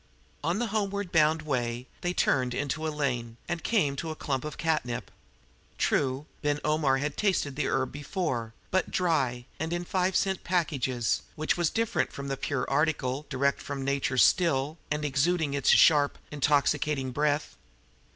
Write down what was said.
On the homeward way they turned into a lane and came to a clump of catnip. True, Omar Ben had tasted the herb before, but dry and in five cent packages, which was different from the pure article direct from nature's still and exuding its sharp, intoxicating breath.